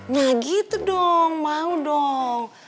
nah gitu dong mau dong